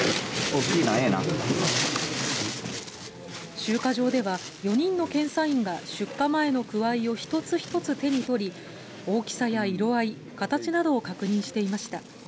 集荷場では、４人の検査員が出荷前のくわいを一つ一つ手に取り大きさや色合い形などを確認していました。